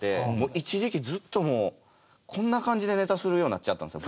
一時期ずっともうこんな感じでネタするようになっちゃったんですよ。